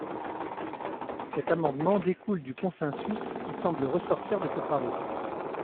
Cet amendement découle du consensus qui semble ressortir de ces travaux.